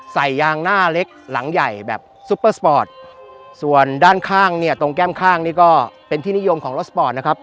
ยางหน้าเล็กหลังใหญ่แบบซุปเปอร์สปอร์ตส่วนด้านข้างเนี่ยตรงแก้มข้างนี่ก็เป็นที่นิยมของรถสปอร์ตนะครับ